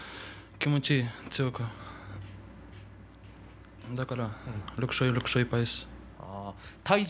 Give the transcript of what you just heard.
気持ち、強くだから、６勝、６勝１敗です。